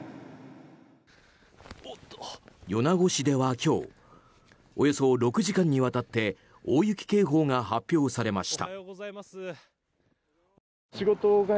米子市では今日およそ６時間にわたって大雪警報が発表されました。